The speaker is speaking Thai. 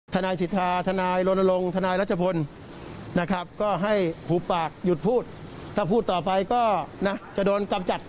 ทนายสิทธาทนายโรนลงทนายรัชพล